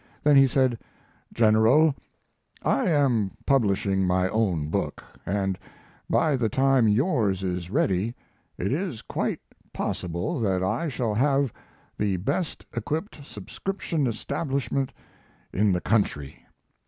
Then he said: "General, I am publishing my own book, and by the time yours is ready it is quite possible that I shall have the best equipped subscription establishment in the country.